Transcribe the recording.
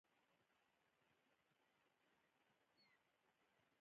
هغوی د شعله لاندې د راتلونکي خوبونه یوځای هم وویشل.